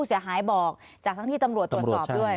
เสียหายบอกจากทั้งที่ตำรวจตรวจสอบด้วย